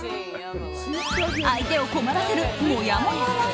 相手を困らせるもやもやＬＩＮＥ。